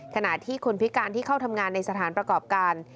ขณะที่คนพิการที่เข้าทำงานในสถานประกอบการ